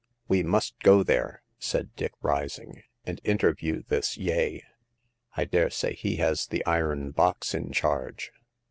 " We must go there," said Dick, rising, " and interview this Yeh. I dare say he has the iron box in charge."